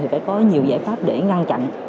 thì phải có nhiều giải pháp để ngăn chặn